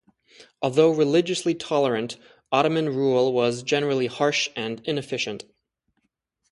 Although religiously tolerant, Ottoman rule was generally harsh and inefficient.